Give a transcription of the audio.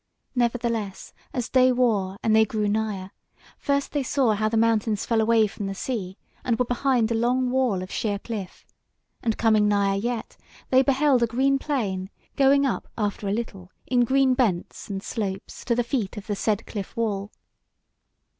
Nevertheless as day wore and they drew nigher, first they saw how the mountains fell away from the sea, and were behind a long wall of sheer cliff; and coming nigher yet, they beheld a green plain going up after a little in green bents and slopes to the feet of the said cliff wall.